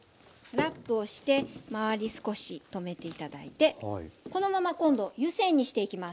ラップをして周り少し止めて頂いてこのまま今度湯煎にしていきます。